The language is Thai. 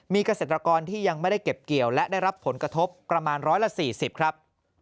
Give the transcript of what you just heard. มีเกษตรกรที่ยังไม่ได้เก็บเกี่ยวและได้รับผลกระทบประมาณ๑๔๐ครับ